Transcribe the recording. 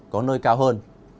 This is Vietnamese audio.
có nơi cao hơn